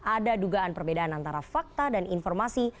ada dugaan perbedaan antara fakta dan informasi